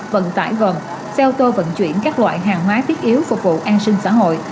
vận tải gần xe ô tô vận chuyển các loại hàng hóa thiết yếu phục vụ an sinh xã hội